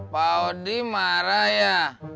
pak odi marah ya